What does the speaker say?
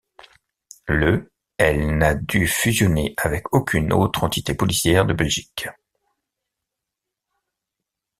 Le elle n'a dû fusionner avec aucune autre entité policière de Belgique.